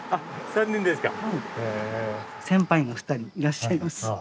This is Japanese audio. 先輩が２人いらっしゃいます。